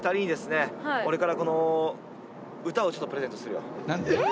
はい俺からこの歌をちょっとプレゼントするよええ！？